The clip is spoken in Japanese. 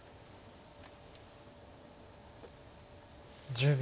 １０秒。